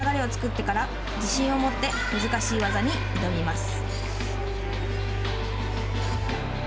前半で流れを作ってから自信を持って難しい技に挑みます。